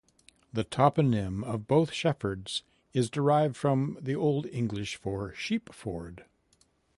The toponym of both Sheffords is derived from the Old English for "sheep ford".